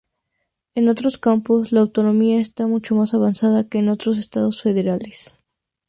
En otros campos la autonomía está mucho más avanzada que en otros estados federales.